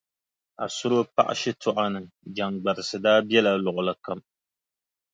Asuro paɣa shitɔɣu ni, jaŋgbarisi daa bela luɣili kam.